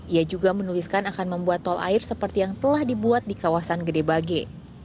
ia juga menuliskan akan membuat tol air seperti yang telah dibuat di kawasan gede bage